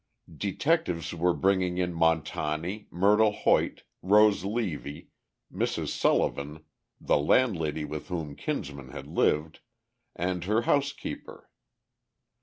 Detectives were bringing in Montani, Myrtle Hoyt, Rose Levy, Mrs. Sullivan, the landlady with whom Kinsman had lived, and her housekeeper.